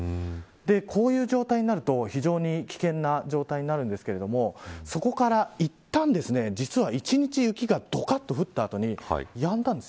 こういう状態になると非常に危険な状態になるんですけれどもそこから、いったん実は、一日、雪がどかっと降った後に、やんだんです。